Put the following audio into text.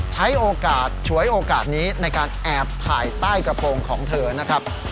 ใช้โอกาสฉวยโอกาสนี้ในการแอบถ่ายใต้กระโปรงของเธอนะครับ